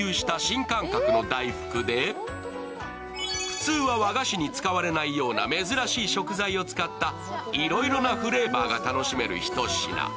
普通は和菓子に使われないような珍しい食材を使ったいろいろなフレーバーが楽しめる一品。